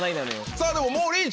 さぁでももうリーチ。